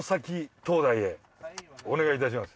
お願いいたします